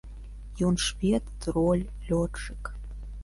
Ён швед, троль, лётчык.